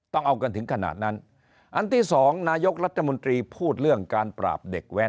ต้องเอากันถึงขนาดนั้นอันที่สองนายกรัฐมนตรีพูดเรื่องการปราบเด็กแว้น